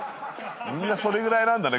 みんなそれぐらいなんだね